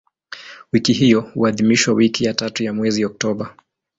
Wiki hiyo huadhimishwa wiki ya tatu ya mwezi Oktoba.